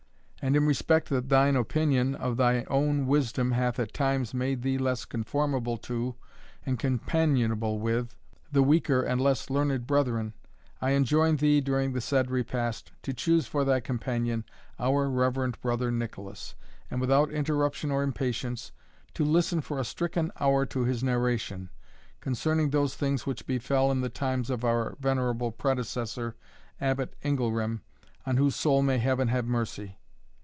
And in respect that thine opinion of thy own wisdom hath at times made thee less conformable to, and companionable with, the weaker and less learned brethren, I enjoin thee, during the said repast, to choose for thy companion, our reverend brother Nicolas, and without interruption or impatience, to listen for a stricken hour to his narration, concerning those things which befel in the times of our venerable predecessor, Abbot Ingilram, on whose soul may Heaven have mercy!